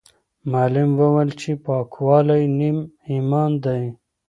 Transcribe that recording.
معلم وویل چې پاکوالی نیم ایمان دی.